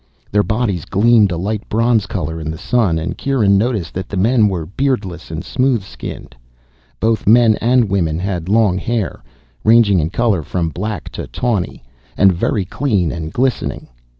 Their bodies gleamed a light bronze color in the sun, and Kieran noticed that the men were beardless and smooth skinned. Both men and women had long hair, ranging in color from black to tawny, and very clean and glistening.